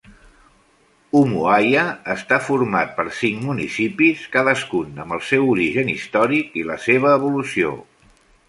Umuahia està format per cinc municipis, cadascun amb el seu origen històric i la seva evolució.